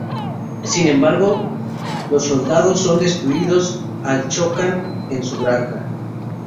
Sin embargo, los soldados son destruidos al chocan en una zanja.